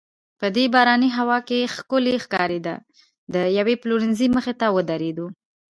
په دې باراني هوا کې ښکلې ښکارېده، د یوې پلورنځۍ مخې ته ودریدو.